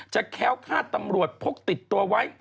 แค้วคาดตำรวจพกติดตัวไว้